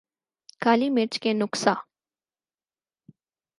کالی مرچ کے نقصا